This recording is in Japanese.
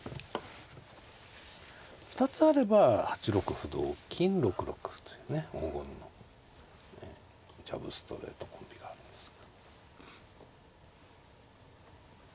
２つあれば８六歩同金６六歩というね黄金のジャブストレートコンビがあるんですが。